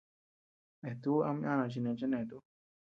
Eatú ama yana chi nee chenet ú.